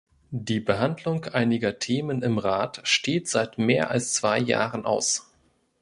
Die Behandlung einiger Themen im Rat steht seit mehr als zwei Jahren aus.